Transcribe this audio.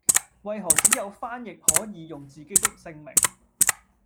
為何只有翻譯可以用自己的姓名